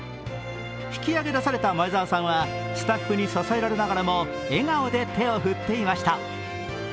引き上げ出された前澤さんはスタッフに支えられながらも笑顔で手を振っていました。